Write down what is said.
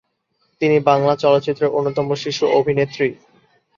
তিনি বাংলা চলচ্চিত্রের অন্যতম শিশু অভিনেত্রী।